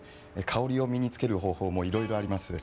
香りを身に付ける方法もいろいろあります。